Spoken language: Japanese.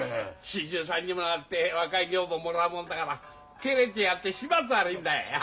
４３にもなって若い女房もらうもんだからてれてやがって始末悪いんだよ。